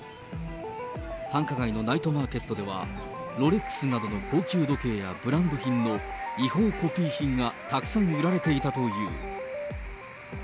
繁華街のナイトマーケットでは、ロレックスなどの高級時計やブランド品の違法コピー品がたくさん売られていたという。